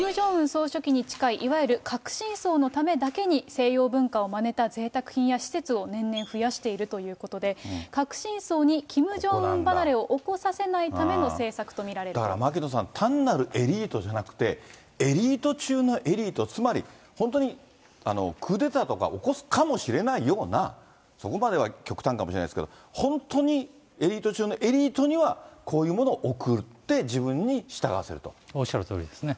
総書記に近い、いわゆる革新層のためだけに、西洋文化をまねたぜいたく品や施設を年々増やしているということで、核心層にキム・ジョンウン離れを起こさせないための政策と見られ牧野さん、単なるエリートじゃなくて、エリート中のエリート、つまり、本当にクーデターとか起こすかもしれないような、そこまでは極端かもしれないですけど、本当にエリート中のエリートにはこういうものを贈って、自分に従おっしゃるとおりですね。